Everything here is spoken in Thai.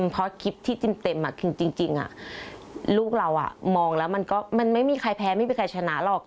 เพราะคลิปที่จินเต็มคือจริงลูกเรามองแล้วมันก็มันไม่มีใครแพ้ไม่มีใครชนะหรอก